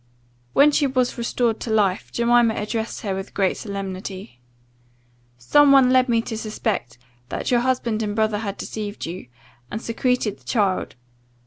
"When she was restored to life, Jemima addressed her with great solemnity: ' led me to suspect, that your husband and brother had deceived you, and secreted the child.